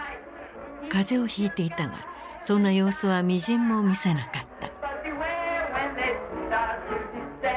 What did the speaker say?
風邪をひいていたがそんな様子はみじんも見せなかった。